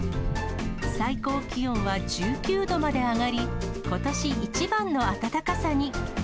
最高気温は１９度まで上がり、ことし一番の暖かさに。